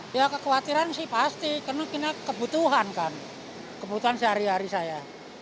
ya kekhawatiran sih pasti karena kita kebutuhan kan kebutuhan sehari hari saya